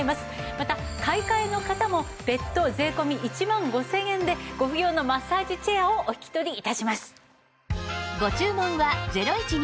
また買い替えの方も別途税込１万５０００円でご不要のマッサージチェアをお引き取り致します。